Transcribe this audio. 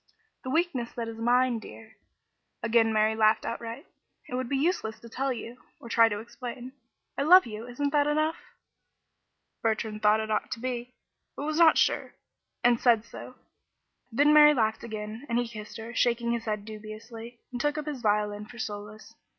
"The weakness that is mine, dear." Again Mary laughed outright. "It would be useless to tell you or to try to explain. I love you, isn't that enough?" Bertrand thought it ought to be, but was not sure, and said so. Then Mary laughed again, and he kissed her, shaking his head dubiously, and took up his violin for solace.